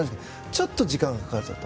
ちょっと時間がかかった。